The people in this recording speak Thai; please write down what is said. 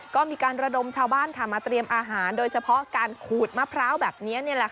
ก็มีการระดมชาวบ้านมาเตรียมอาหารโดยเฉพาะการขูดมะพร้าวแบบนี้